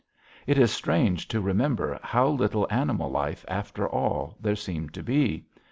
It is strange to remember how little animal life, after all, there seemed to be.